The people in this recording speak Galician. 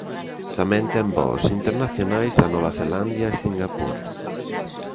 Tamén ten voos internacionais a Nova Zelandia e Singapur.